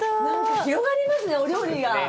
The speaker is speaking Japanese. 何か広がりますねお料理が。